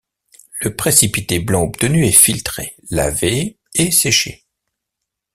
Le précipité blanc obtenu est filtré, lavé et séché.